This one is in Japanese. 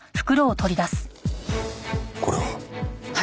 これは？